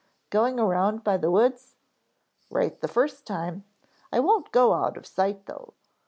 Going around by the woods?" "Right the first time. I won't go out of sight though.